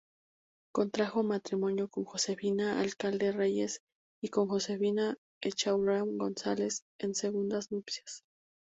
Contrajo matrimonio con Josefina Alcalde Reyes y con Josefina Echaurren González en segundas nupcias.